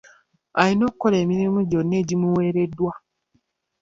Alina okukola emirimu gyonna egimuweereddwa.